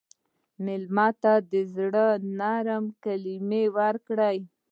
مېلمه ته د زړه نرمه کلمه ورکړه.